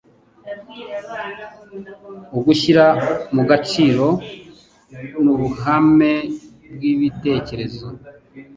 ugushyira mu gaciro n'ubuhame bw'ibitekerezo.